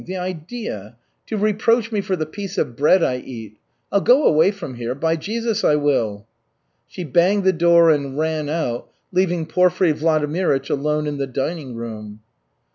The idea to reproach me for the piece of bread I eat. I'll go away from here! By Jesus, I will!" She banged the door and ran out, leaving Porfiry Vladimirych alone in the dining room.